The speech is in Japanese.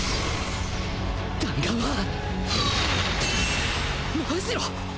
弾丸は真後ろ！？